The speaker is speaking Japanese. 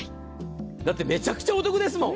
だってめちゃくちゃお得ですもん。